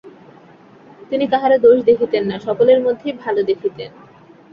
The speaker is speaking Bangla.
তিনি কাহারও দোষ দেখিতেন না, সকলের মধ্যেই ভাল দেখিতেন।